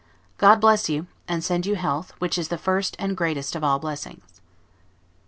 God bless you, and send you health, which is the first and greatest of all blessings!